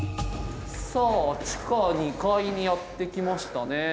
さあ地下２階にやって来ましたね。